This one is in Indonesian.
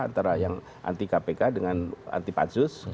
antara yang anti kpk dengan anti pansus